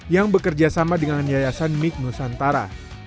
yang bekerja sama dengan yayasan mig nusantara